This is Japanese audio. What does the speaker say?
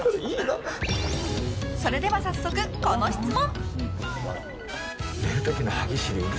それでは早速、この質問。